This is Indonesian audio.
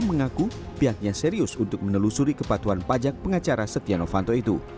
mengaku pihaknya serius untuk menelusuri kepatuhan pajak pengacara setia novanto itu